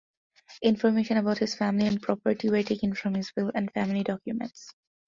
Information about his family and property were taken from his will and family documents.